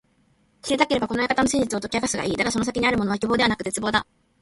知りたければ、この館の真実を解き明かすがいい。だがその先にあるものは…希望ではなく絶望だ。